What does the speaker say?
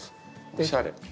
おしゃれ。